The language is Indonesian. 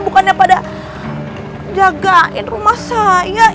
bukannya pada jagain rumah saya